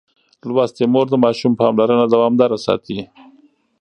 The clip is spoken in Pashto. لوستې مور د ماشوم پاملرنه دوامداره ساتي.